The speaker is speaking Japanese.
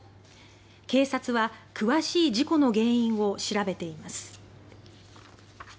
警察は詳しい事故の原因を調べています。